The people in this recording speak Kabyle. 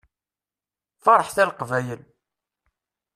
Ferḥet a Leqbayel!